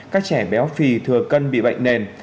các trẻ béo phì thừa cân bị bệnh nền